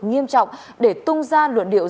nghiêm trọng để tung ra luận điệu